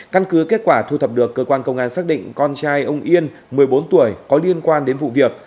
căn cứ kết quả thu thập được cơ quan công an xác định con trai ông yên một mươi bốn tuổi có liên quan đến vụ việc